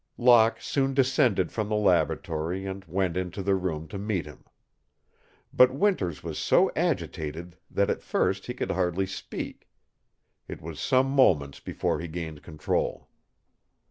Locke soon descended from the laboratory and went into the room to meet him. But Winters was so agitated that at first he could hardly speak. It was some moments before he gained control.